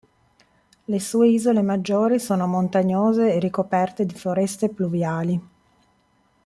Le sue isole maggiori sono montagnose e ricoperte di foreste pluviali.